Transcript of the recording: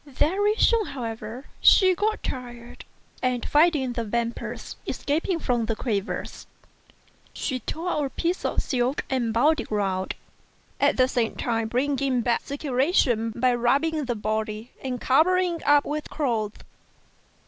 Very soon, however, she got tired, and finding the vapour escaping from the crevices, she tore up a piece of silk and bound it round, at the same time bringing back circulation by rubbing the body and covering it up with clothes.